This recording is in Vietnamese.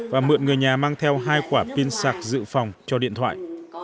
và mượn người nhà mang theo hai quả pin sạc dự phòng cho điện thoại